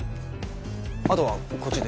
あとはこっちで。